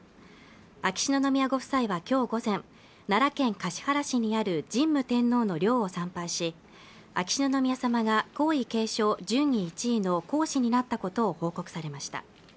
秋篠宮ご夫妻はきょう午前奈良県橿原市にある神武天皇の陵を参拝し秋篠宮さまが皇位継承順位１位の皇嗣になったことを報告されました